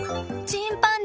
チンパン！